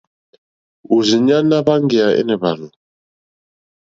Òrzìɲɛ́ ná hwáŋɡèyà énè hwàrzù.